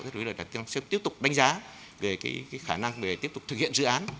rất là đặc trưng sẽ tiếp tục đánh giá về cái khả năng để tiếp tục thực hiện dự án